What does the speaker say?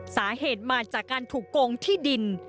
สาเหตุมาจากการถูกโกงที่ดิน